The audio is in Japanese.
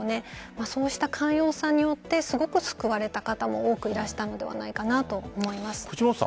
そうした寛容さによってすごく救われた方も多くいらしたのでないのかなと思います。